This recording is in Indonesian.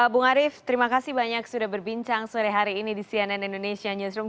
bung arief terima kasih banyak sudah berbincang sore hari ini di cnn indonesia newsroom